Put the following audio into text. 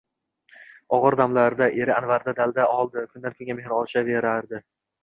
Og`ir damlarda eri Anvardan dalda oldi, kundan kunga mehri oshaverdi